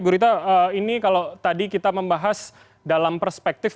bu rita ini kalau tadi kita membahas dalam perspektif